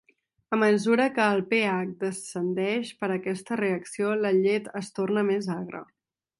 A mesura que el pH descendeix per aquesta reacció, la llet es torna més agra.